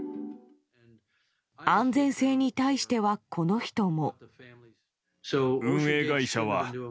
安全性に対しては、この人も。